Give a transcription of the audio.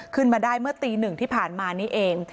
ขึ้นมาได้เมื่อตีหนึ่งที่ผ่านมานี้เอง